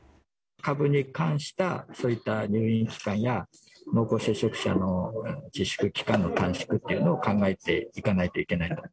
株に関した、そういった入院期間や、濃厚接触者の自粛期間の短縮というのを考えていかないといけない。